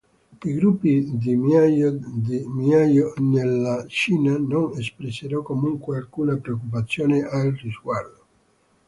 I gruppi di miao della Cina non espressero, comunque, alcuna preoccupazione al riguardo.